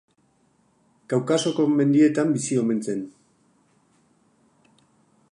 Kaukasoko mendietan bizi omen zen.